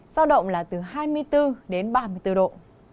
giao động là từ hai mươi bốn đến ba mươi bốn độ